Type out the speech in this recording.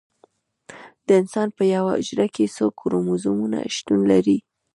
د انسان په یوه حجره کې څو کروموزومونه شتون لري